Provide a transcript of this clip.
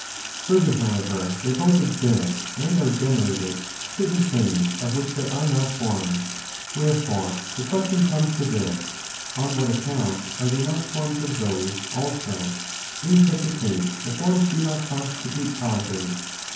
Further, however, there both exist and are gene rated certain things of which there are not forms. Wherefore, the question comes to this, on what account are there not foims of those also ) In such a case the forms do not consti tute causes.